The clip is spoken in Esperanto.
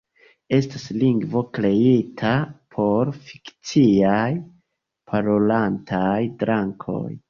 Estas lingvo kreita por fikciaj parolantaj drakoj.